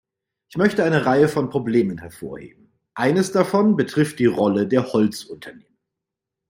Ich möchte eine Reihe von Problemen hervorheben. Eines davon betrifft die Rolle der Holzunternehmen.